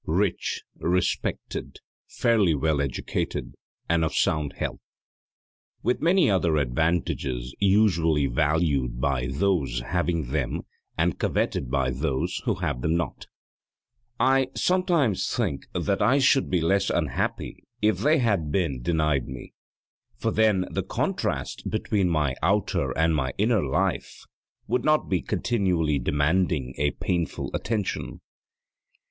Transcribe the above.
Rich, respected, fairly well educated and of sound health with many other advantages usually valued by those having them and coveted by those who have them not I sometimes think that I should be less unhappy if they had been denied me, for then the contrast between my outer and my inner life would not be continually demanding a painful attention.